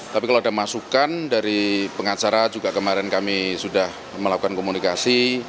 tapi kalau ada masukan dari pengacara juga kemarin kami sudah melakukan komunikasi